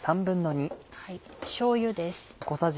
しょうゆです。